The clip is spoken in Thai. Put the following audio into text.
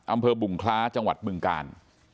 อำเภอบุงคล้าจังหวัดบึงกาล